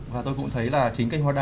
và tôi cũng thấy là chính cái hoa đào